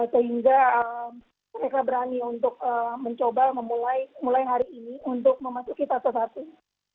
sehingga mereka berani untuk mencoba memulai hari ini untuk memasuki fase satu